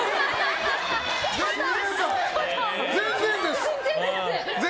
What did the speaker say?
全然です。